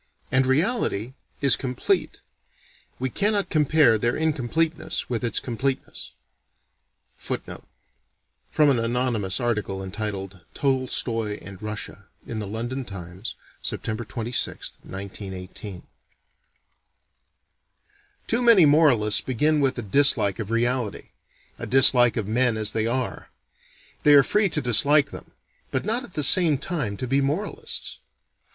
And reality is complete. We cannot compare their incompleteness with its completeness." From an anonymous article entitled "Tolstoy and Russia" in the London Times, Sept. 26,1918. Too many moralists begin with a dislike of reality: a dislike of men as they are. They are free to dislike them but not at the same time to be moralists.